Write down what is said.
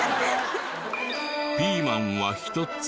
ピーマンは１つ。